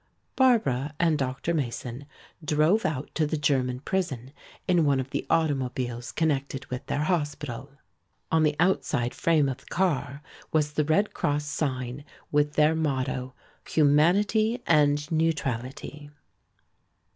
Barbara and Dr. Mason drove out to the German prison in one of the automobiles connected with their hospital. On the outside frame of the car was the Red Cross sign with their motto: "Humanity and Neutrality."